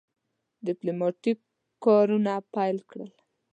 ډیپلوماټیک کارونه پیل کړل.